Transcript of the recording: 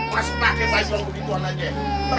masih pake baik baik gitu gituan aja